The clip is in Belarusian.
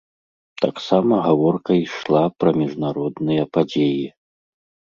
Таксама гаворка ішла пра міжнародныя падзеі.